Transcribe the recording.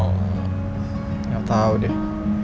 gak tau deh